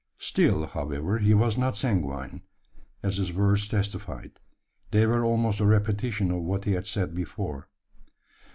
Still, however, he was not sanguine: as his words testified. They were almost a repetition of what he had said before.